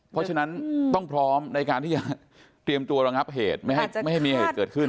เพราะฉะนั้นต้องพร้อมในการที่จะเตรียมตัวระงับเหตุไม่ให้มีเหตุเกิดขึ้น